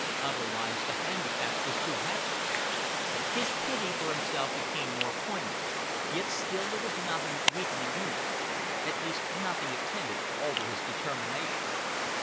Otherwise the handicap is too heavy." His pity for himself became more poignant; yet still there was nothing weakening in it, at least nothing that tended to alter his determination.